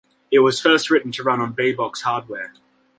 It was first written to run on BeBox hardware.